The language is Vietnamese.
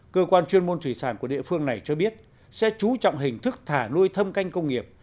cơ quan chuyên môn thủy sản của địa phương này cho biết sẽ chú trọng hình thức thả nuôi thâm canh công nghiệp